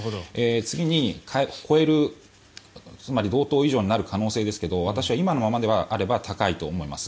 次に、超えるつまり同等以上になる可能性ですが私は今のままであれば高いと思います。